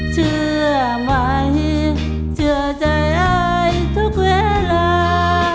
เชื่อไหมเชื่อใจอายทุกเวลา